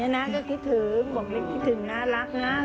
อย่างนี้ว่าลูกเราจะประสบความสำเร็จ